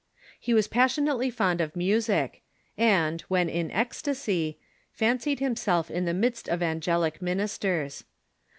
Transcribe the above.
He was passionately fond of music, and, when in ecstasy, fancied him self in the midst of angelic ministers.